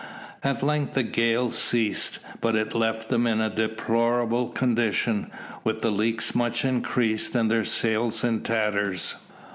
At length the gale ceased; but it left them in a deplorable condition, with the leaks much increased and their sails in tatters.